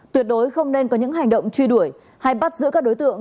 tuyệt đối không nên có những hành động truy đuổi hay bắt giữ các đối tượng